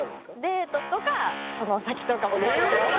デートとかその先とかも色々。